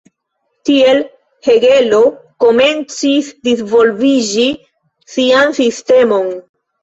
Tiel Hegelo komencis disvolviĝi sian sistemon.